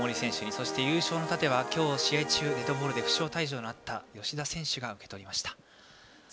そして優勝の楯は今日試合中デッドボールで負傷退場のあった吉田選手が受け取りました。